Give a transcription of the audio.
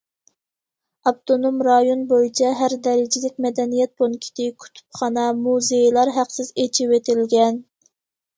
ئاپتونوم رايون بويىچە ھەر دەرىجىلىك مەدەنىيەت پونكىتى، كۇتۇپخانا، مۇزېيلار ھەقسىز ئېچىۋېتىلگەن.